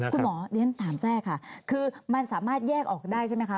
คุณหมอเรียนถามแทรกค่ะคือมันสามารถแยกออกได้ใช่ไหมคะ